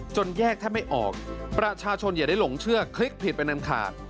แยกแทบไม่ออกประชาชนอย่าได้หลงเชื่อคลิกผิดไปอันขาด